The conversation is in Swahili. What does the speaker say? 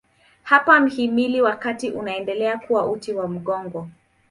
Hapa mhimili wa kati unaendelea kuwa uti wa mgongo.